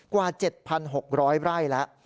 กว่า๗๖๐๐ไร่แล้ว